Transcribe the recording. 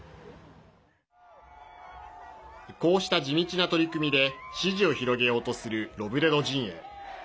こうした地道な取り組みで支持を広げようとするロブレド陣営。